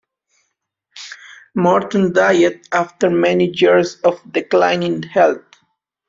Morton died after many years of declining health.